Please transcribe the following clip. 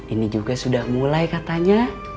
ini juga sudah mulai katanya